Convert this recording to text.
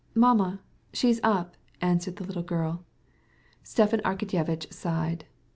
"Mamma? She is up," answered the girl. Stepan Arkadyevitch sighed.